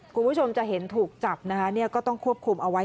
คุณผู้ชมจะเห็นถูกจับนะคะก็ต้องควบคุมเอาไว้